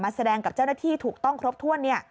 แสดงกับเจ้าหน้าที่ถูกต้องครบถ้วน